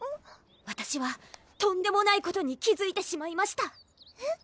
わたしはとんでもないことに気づいてしまいましたえっ？